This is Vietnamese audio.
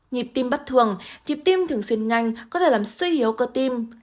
nhịp tim bất thường nhịp tim thường xuyên nhanh có thể làm suy hiếu cơ tim